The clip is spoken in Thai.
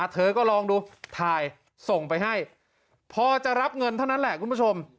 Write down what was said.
เธอก็ลองดูถ่ายส่งไปให้พอจะรับเงินเท่านั้นแหละคุณผู้ชม